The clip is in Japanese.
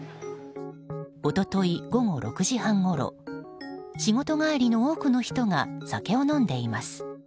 一昨日午後６時半ごろ仕事帰りの多くの人が酒を飲んでいます。